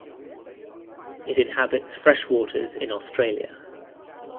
It inhabits freshwaters in Australia.